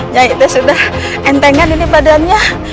ya itu sudah entengan ini badannya